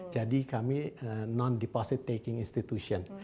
jadi kami non deposit taking institution